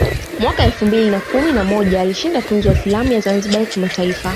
Mwaka elfu mbili na kumi na moja alishinda tuzo ya filamu ya ZanzibarI kimataifa